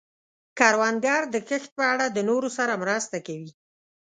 کروندګر د کښت په اړه د نورو سره مرسته کوي